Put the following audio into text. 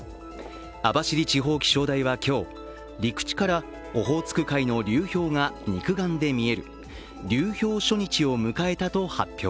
網走地方気象台は今日、陸地からオホーツク海の流氷が肉眼で見える流氷初日を迎えたと発表。